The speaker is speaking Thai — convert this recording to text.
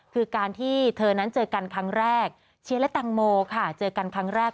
คือการที่เธอนั้นเจอกันครั้งแรกเชียร์และแตงโมค่ะเจอกันครั้งแรก